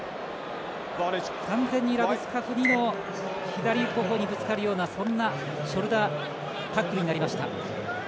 完全にラブスカフニの左ほおにぶつかるようなそんなショルダータックルになりました。